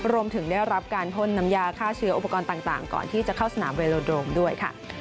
รวมถึงได้รับการพ่นน้ำยาฆ่าเชื้ออุปกรณ์ต่างก่อนที่จะเข้าสนามเวโลโดรมด้วยค่ะ